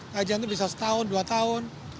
kajian itu bisa setahun dua tahun